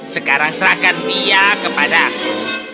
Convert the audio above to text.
sekarang serahkan dia kepadaku